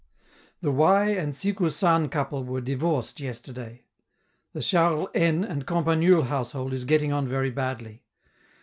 The Y and Sikou San couple were divorced yesterday. The Charles N and Campanule household is getting on very badly.